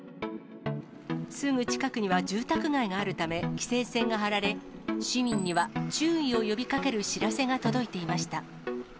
すぐ近くには住宅街があるため、規制線が張られ、市民には注意を呼びかける知らせが届いていました。